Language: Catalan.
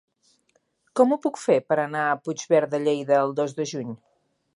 Com ho puc fer per anar a Puigverd de Lleida el dos de juny?